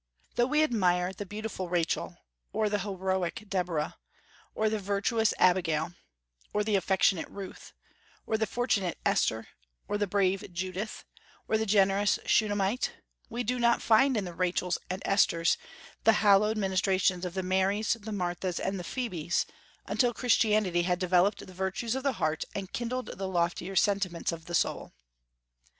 Though we admire the beautiful Rachel, or the heroic Deborah, or the virtuous Abigail, or the affectionate Ruth, or the fortunate Esther, or the brave Judith, or the generous Shunamite, we do not find in the Rachels and Esthers the hallowed ministrations of the Marys, the Marthas and the Phoebes, until Christianity had developed the virtues of the heart and kindled the loftier sentiments of the soul.